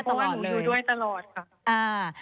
ใช่เพราะหนูดูด้วยตลอดค่ะ